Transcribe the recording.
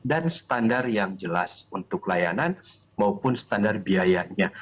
standar yang jelas untuk layanan maupun standar biayanya